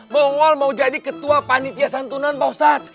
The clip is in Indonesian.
mongol mau jadi ketua panitia santunan pausat